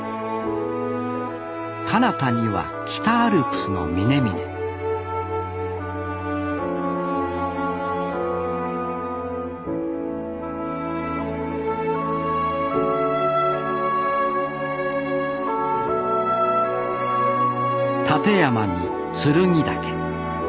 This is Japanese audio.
かなたには北アルプスの峰々立山に剱岳。